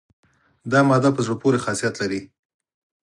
دا ماده په زړه پورې خاصیت لري.